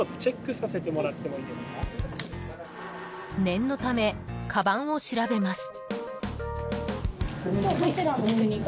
念のため、かばんを調べます。